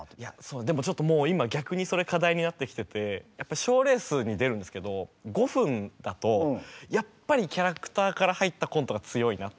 でもちょっともう今逆にそれ課題になってきてて賞レースに出るんですけど５分だとやっぱりキャラクターから入ったコントが強いなっていう。